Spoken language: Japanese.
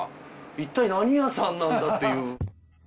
いったい何屋さんなんだっていう。